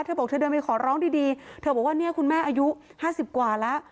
เธอบอกเธอเดินไปขอร้องดีเธอบอกว่าเนี่ยคุณแม่อายุ๕๐กว่าแล้ว